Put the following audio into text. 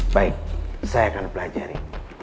baik saya akan pelajari